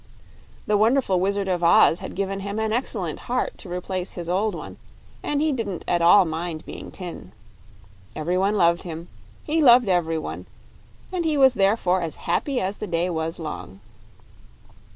The wonderful Wizard of Oz had given him an excellent heart to replace his old one, and he didn't at all mind being tin. Every one loved him, he loved every one; and he was therefore as happy as the day was long.